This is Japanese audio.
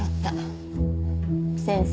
先生